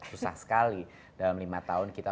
susah sekali dalam lima tahun kita